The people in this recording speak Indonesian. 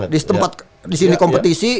di tempat di sini kompetisi